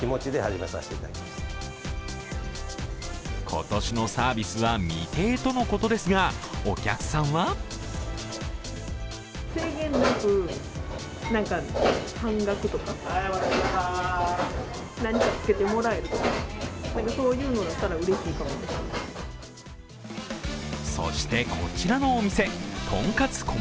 今年のサービスは未定とのことですが、お客さんはそして、こちらのお店、とんかつ小